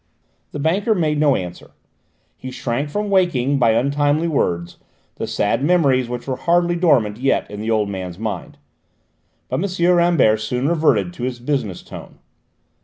The banker made no answer: he shrank from waking, by untimely words, the sad memories which were hardly dormant yet in the old man's mind. But M. Rambert soon reverted to his business tone.